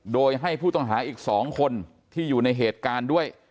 โดยให้ผู้ต้องหาอีก๒คนที่อยู่ในเหตุการณ์ด้วย